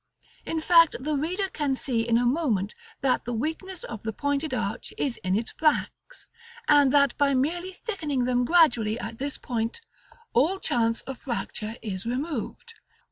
In fact, the reader can see in a moment that the weakness of the pointed arch is in its flanks, and that by merely thickening them gradually at this point all chance of fracture is removed.